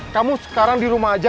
kamu sekarang di rumah aja